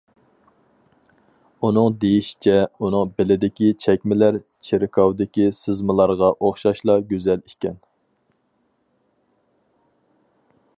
ئۇنىڭ دېيىشىچە ئۇنىڭ بېلىدىكى چەكمىلەر چېركاۋدىكى سىزمىلارغا ئوخشاشلا گۈزەل ئىكەن.